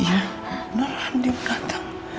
iya bener adi mau datang